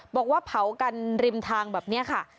บอกว่าเผากันริมทางแบบนี้ค่ะ